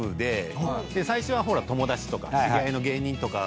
最初は友達とか知り合いの芸人とかの。